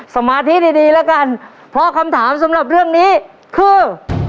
สมาธิดีดีแล้วกันเพราะคำถามสำหรับเรื่องนี้คือ